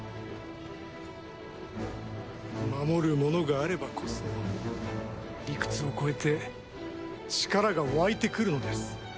守るものがあればこそ理屈を超えて力が湧いてくるのです。